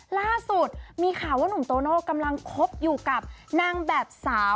ล่าสุดมีข่าวว่าหนุ่มโตโน่กำลังคบอยู่กับนางแบบสาว